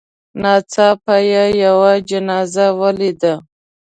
ناڅاپه یې یوه جنازه ولیده.